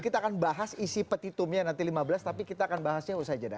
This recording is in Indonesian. kita akan bahas isi petitumnya nanti lima belas tapi kita akan bahasnya usai jeda